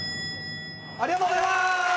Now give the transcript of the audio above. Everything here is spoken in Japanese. ありがとうございます！